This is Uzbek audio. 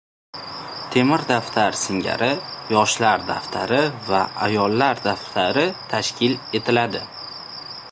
«Temir daftar» singari «Yoshlar daftari» va «Ayollar daftari» tashkil etiladi